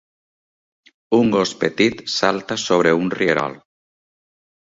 Un gos petit salta sobre un rierol.